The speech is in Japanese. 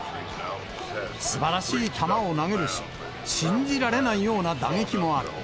すばらしい球を投げるし、信じられないような打撃もある。